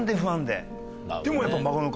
でもやっぱ。